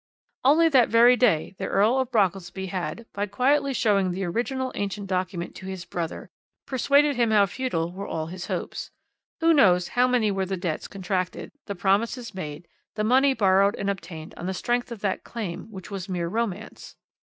"Only that very day the Earl of Brockelsby had, by quietly showing the original ancient document to his brother, persuaded him how futile were all his hopes. Who knows how many were the debts contracted, the promises made, the money borrowed and obtained on the strength of that claim which was mere romance?